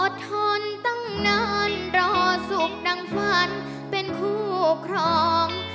ทนตั้งนานรอสุขดังฝันเป็นคู่ครอง